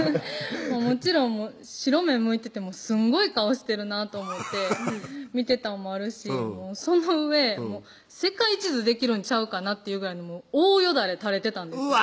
もちろん白目むいててすんごい顔してるなと思って見てたんもあるしそのうえ世界地図できるんちゃうかなというぐらい大よだれ垂れてたんですよ